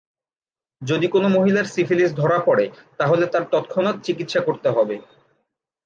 যদি কোন মহিলার সিফিলিস ধরা পড়ে তাহলে তার তৎক্ষণাৎ চিকিৎসা করতে হবে।